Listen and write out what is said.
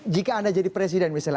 jika anda jadi presiden misalnya